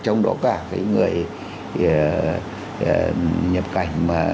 trong đó cả cái người nhập cảnh mà